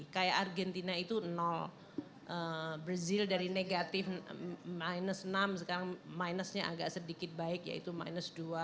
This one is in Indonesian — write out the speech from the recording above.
kayak argentina itu nol brazil dari negatif minus enam sekarang minusnya agak sedikit baik yaitu minus dua